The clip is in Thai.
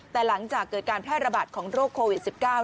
แต่หลังจากเกิดการแพร่ระบาดของโรคโควิด๑๙